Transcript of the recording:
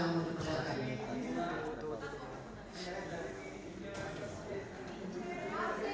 ya ini ada berarti